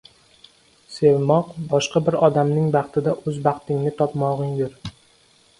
Sevmoq — boshqa bir odamning baxtida o‘z baxtingni topmog‘ingdir.